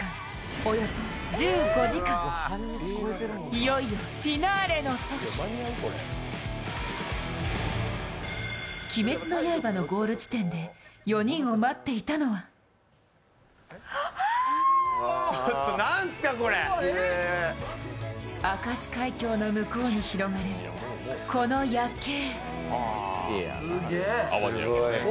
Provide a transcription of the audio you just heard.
いよいよフィナーレのとき「鬼滅の刃」のゴール地点で４人を待っていたのは明石海峡の向こうに広がるこの夜景。